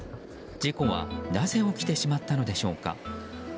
事故はなぜ起きてしまったのでしょうか。